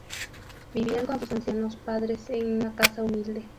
Vivían con sus ancianos padres en una casa humilde.